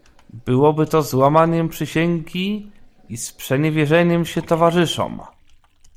"Byłoby to złamaniem przysięgi i sprzeniewierzeniem się towarzyszom."